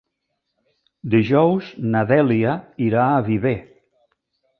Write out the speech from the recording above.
Dijous na Dèlia irà a Viver.